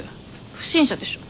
不審者でしょ。